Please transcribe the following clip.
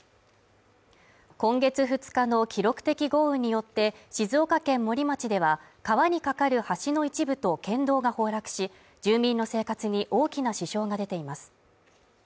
今月２日の記録的豪雨によって静岡県森町では、川にかかる橋の一部と県道が崩落し、住民の生活に大きな支障が出ています。